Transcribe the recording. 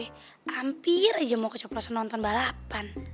hampir aja mau ke gamesplus nonton balapan